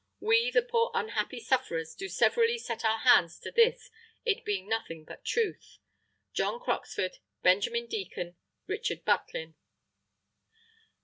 We, the poor unhappy sufferers, do severally set our hands to this, it being nothing but Truth, "JOHN CROXFORD. "BENJ. DEACON. "RICHARD BUTLIN."